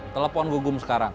telepon gugung sekarang